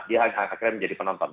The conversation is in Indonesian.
dia akhirnya menjadi penonton